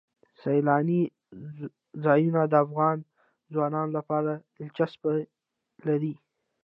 سیلانی ځایونه د افغان ځوانانو لپاره دلچسپي لري.